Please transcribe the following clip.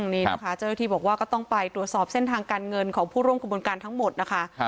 นี่นะคะเจ้าหน้าที่บอกว่าก็ต้องไปตรวจสอบเส้นทางการเงินของผู้ร่วมกระบวนการทั้งหมดนะคะ